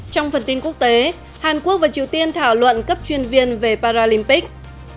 trong phần tin quốc tế hàn quốc và triều tiên thảo luận cấp chuyên viên về paralympic